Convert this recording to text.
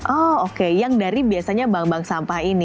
oh oke yang dari biasanya bank bank sampah ini